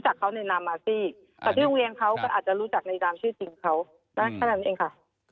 แต่ที่โรงเรียนเขาก็อาจจะรู้จักในดามชื่อจริงเขาแค่นั้นเองค่ะ